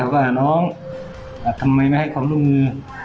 ว่าน้องทำไมไม่ให้ความร่วมมือ